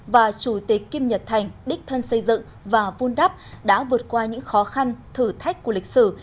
và chủ tịch kim nhật thành đích thân xây dựng và vun đắp đã vượt qua những khó khăn thử thách của lịch sử